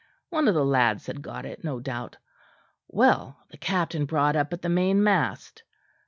One of the lads had got it no doubt. Well, the captain brought up at the main mast.